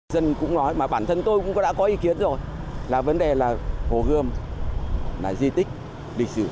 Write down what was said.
dân cũng nói mà bản thân tôi cũng đã có ý kiến rồi là vấn đề là hồ gươm là di tích lịch sử